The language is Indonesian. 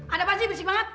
ada apa sih bersikap banget